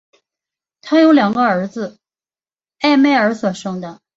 她有两个儿子艾麦尔所生的。